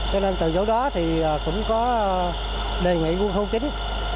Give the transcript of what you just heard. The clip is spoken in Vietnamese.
cho nên từ chỗ đó thì cũng có đề nghị quân khu chín